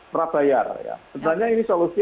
prabayar sebenarnya ini solusi